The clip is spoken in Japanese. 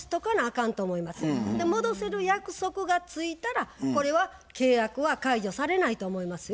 戻せる約束がついたらこれは契約は解除されないと思いますよ。